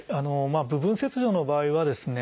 部分切除の場合はですね